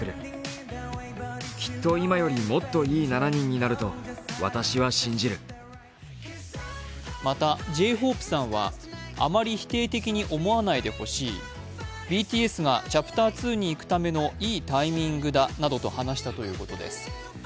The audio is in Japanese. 公開された動画の中でメンバーのＪＵＮＧＫＯＯＫさんはまた、Ｊ−ＨＯＰＥさんはあまり否定的に思わないでほしい、ＢＴＳがチャプター２にいくためのいいタイミングだなどと話したということです。